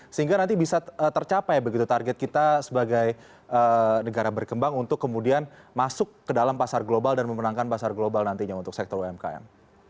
sehingga nanti bisa tercapai begitu target kita sebagai negara berkembang untuk kemudian masuk ke dalam pasar global dan memenangkan pasar global nantinya untuk sektor umkm